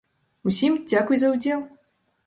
Усім дзякуй за ўдзел!